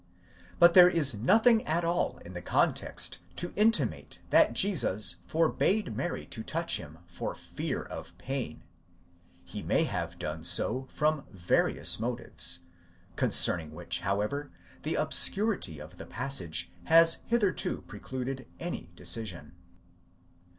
But there is nothing at all in the context to intimate that Jesus forbade Mary to touch him for fear of pain; he may have done so from various motives: concerning which, however, the obscurity of the passage has hitherto precluded any decision.'